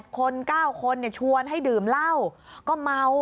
คน๙คนชวนให้ดื่มเหล้าก็เมา